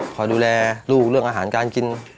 คอยดูแลลูกเรื่องอาหารการกิน